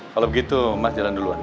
kalau begitu mas jalan duluan